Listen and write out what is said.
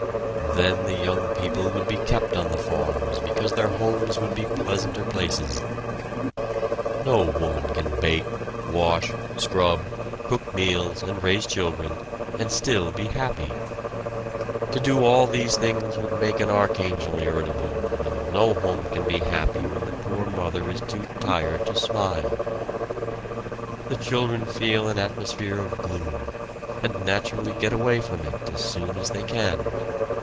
Then the young people would be kept on the farms because their homes would be pleasanter places. No woman can bake, wash, scrub, cook meals and raise children and still be happy. To do all these things would make an archangel irritable, and no home can be happy when the poor mother is too tired to smile! The children feel an atmosphere of gloom, and naturally get away from it as soon as they can.